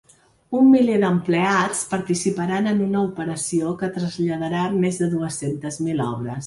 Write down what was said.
Un miler d’empleats participaran en una operació que traslladarà més de dues-centes mil obres.